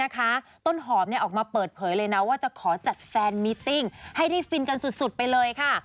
ขอจัดแฟนมีตติ้งให้ได้ฟินกันสุดไปเลยค่ะ